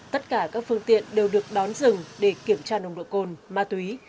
tất cả các phương tiện đều được đón dừng để kiểm tra nồng độ cồn ma túy